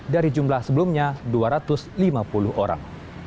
dari jumlah sebelumnya dua ratus lima puluh orang